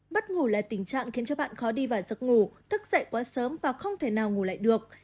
bất ngủ là tình trạng khiến cho bạn khó đi vào giấc ngủ thức dậy quá sớm và không thể nào ngủ lại được